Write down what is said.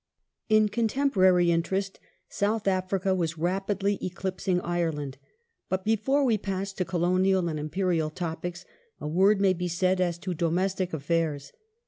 In contemporary interest South Africa was rapidly eclipsing Domestic Ireland. But before we pass to Colonial and Imperial topics, a word j^gl^j" ^ may be said as to domestic affairs.